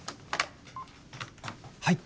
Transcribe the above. はい。